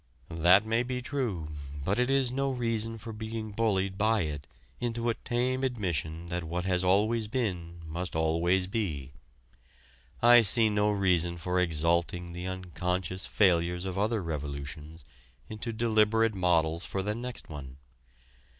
That may be true, but it is no reason for being bullied by it into a tame admission that what has always been must always be. I see no reason for exalting the unconscious failures of other revolutions into deliberate models for the next one.